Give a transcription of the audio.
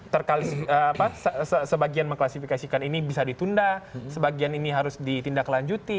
terkali sebagian mengklasifikasikan ini bisa ditunda sebagian ini harus ditindak lanjuti